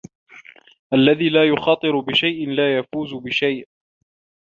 الذي لا يخاطر بشيء لا يفوز بشيء.